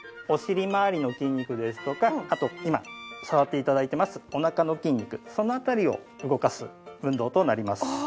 お尻まわりの筋肉ですとかあと今触って頂いてますお腹の筋肉その辺りを動かす運動となります。